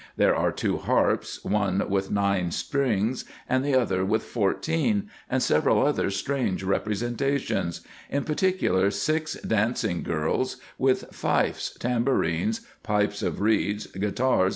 There are two harps, one with nine strings, and the other with fourteen, and several other strange representations : in particular, six dancing girls, with fifes, tambourins, pipes of reeds, guitars, &c.